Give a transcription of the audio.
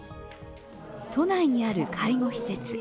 都内にある介護施設。